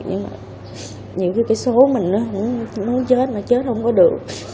nhưng cái số mình nó chết là chết không có được